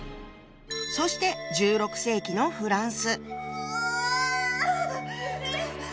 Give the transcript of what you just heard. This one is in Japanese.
そして１６世紀のフランス。